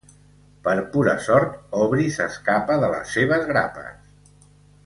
Per pura sort, Aubrey s'escapa de les seves grapes.